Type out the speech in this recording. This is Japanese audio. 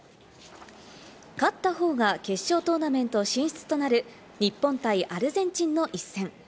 勝った方が決勝トーナメント進出となる日本対アルゼンチンの一戦。